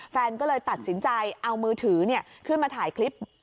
แฟนก็เลยตัดสินใจเอามือถือขึ้นมาถ่ายคลิป